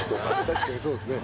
確かにそうですね。